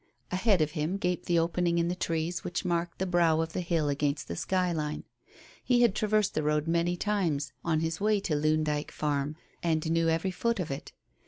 Ahead of him gaped the opening in the trees which marked the brow of the hill against the skyline. He had traversed the road many times on his way to Loon Dyke Farm and knew every foot of it.